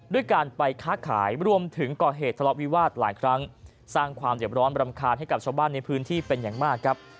ด้วยการไปค้าขายรวมถึงก่อเหตุทะเลาะวิวาสหลายครั้งสร้างความเจ็บร้อนรำคาญให้กับชาวบ้านในพื้นที่เป็นอย่างมากครับ